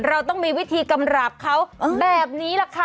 เราต้องมีวิธีกำราบเขาแบบนี้แหละค่ะ